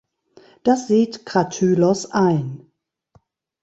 Das sieht Kratylos ein.